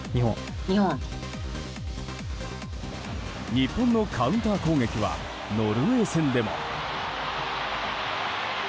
日本のカウンター攻撃はノルウェー戦でも。